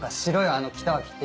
あの北脇って人。